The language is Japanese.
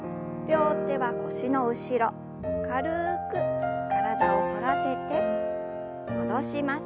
両手は腰の後ろ軽く体を反らせて戻します。